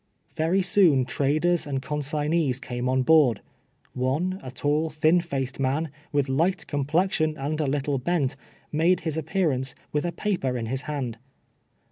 Very soon traders and consignees came on board. One, a tall, thin faced man, with light complexion and a little bent, made his appearance, with a paper in his hand.